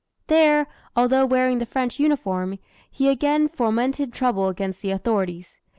There, although wearing the French uniform, he again fomented trouble against the authorities.